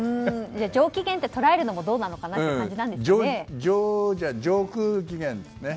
上機嫌ってとらえるのもどうかなっていう感じですかね。